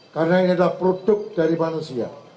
karena ini adalah produk dari manusia